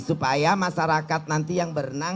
supaya masyarakat nanti yang berenang